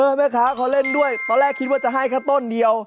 แม่ค้าเขาเล่นด้วยตอนแรกคิดว่าจะให้แค่ต้นเดียว